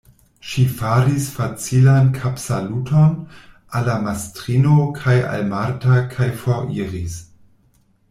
Ŝi faris facilan kapsaluton al la mastrino kaj al Marta kaj foriris.